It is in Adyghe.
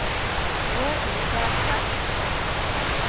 О удаха?